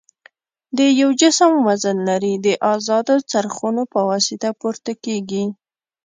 د یو جسم وزن لري د ازادو څرخونو په واسطه پورته کیږي.